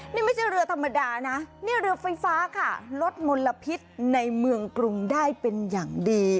นี่ไม่ใช่เรือธรรมดานะนี่เรือไฟฟ้าค่ะลดมลพิษในเมืองกรุงได้เป็นอย่างดี